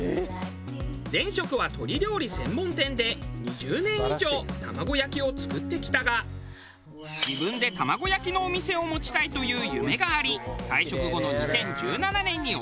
前職は鶏料理専門店で２０年以上卵焼きを作ってきたが自分で卵焼きのお店を持ちたいという夢があり退職後の２０１７年にオープン。